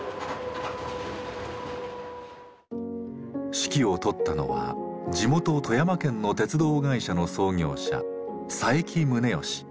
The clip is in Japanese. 指揮を執ったのは地元富山県の鉄道会社の創業者佐伯宗義。